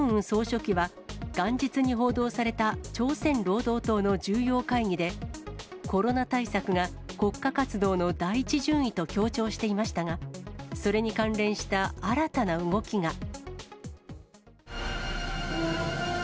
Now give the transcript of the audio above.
総書記は、元日に報道された朝鮮労働党の重要会議で、コロナ対策が国家活動の第１順位と強調していましたが、それに関連した新たな動きが。